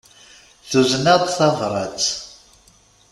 Tuzen-aɣ-d tabrat.